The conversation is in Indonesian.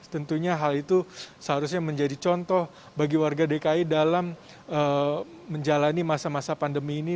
tentunya hal itu seharusnya menjadi contoh bagi warga dki dalam menjalani masa masa pandemi ini